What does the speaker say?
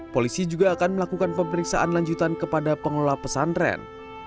polisi juga akan melakukan pemeriksaan lanjutan kepada pengelola pesantren